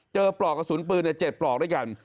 ปลอกกระสุนปืน๗ปลอกด้วยกัน